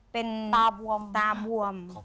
เป็นตาบวม